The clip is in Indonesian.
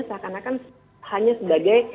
seakan akan hanya sebagai